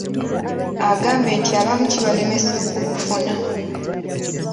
Agambye nti abamu kibalemesa okubufuna.